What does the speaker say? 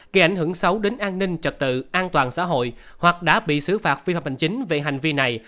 gây ảnh hưởng xấu đến an ninh trật tự an toàn xã hội hoặc đã bị xử phạt phi hợp hành chính về hành vi này